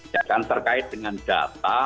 ya kan terkait dengan data